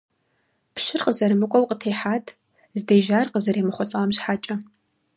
Пщыр къызэрымыкӀуэу къытехьат, здежьар къызэремыхъулӀам щхьэкӀэ.